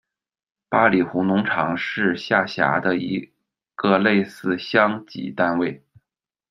八里湖农场是下辖的一个类似乡级单位。